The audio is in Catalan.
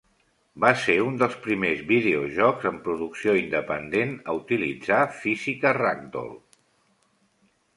Va ser un dels primers videojocs amb producció independent a utilitzar física ragdoll.